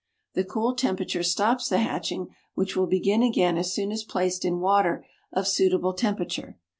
The cool temperature stops the hatching, which will begin again as soon as placed in water of suitable temperature.